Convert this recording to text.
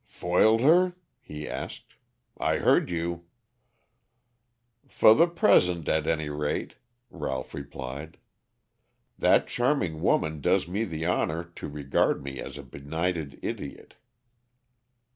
"Foiled her?" he asked. "I heard you." "For the present, at any rate," Ralph replied. "That charming woman does me the honor to regard me as a benighted idiot."